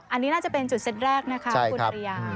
อันนี้น่าจะเป็นจุดเซ็ตแรกนะคะคุณอริยา